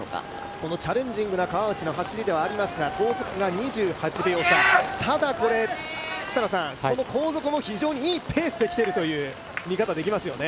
このチャレンジングな川内の走りですが、後続が２８秒差、ただ、この後続も非常にいいペースできているという見方はできますよね。